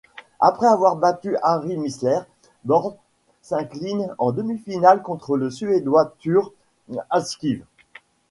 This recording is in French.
Après avoir battu Harry Mizler, Bor s'incline en demi-finale contre le suédois Thure Ahlqvist.